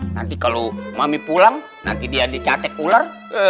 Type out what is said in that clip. nanti kalau mami pulang nanti dia dicatek ular